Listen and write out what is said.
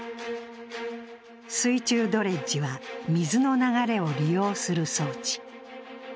水中ドレッジは、水の流れを利用する装置。